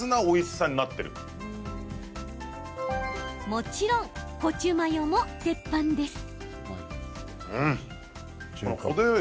もちろん、コチュマヨも鉄板です。